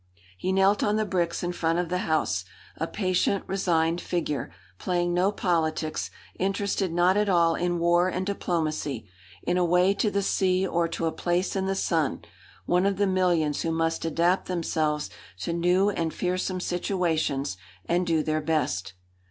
He knelt on the bricks in front of the house, a patient, resigned figure, playing no politics, interested not at all in war and diplomacy, in a way to the sea or to a place in the sun one of the millions who must adapt themselves to new and fearsome situations and do their best.